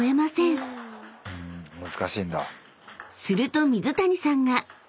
［すると水谷さんが］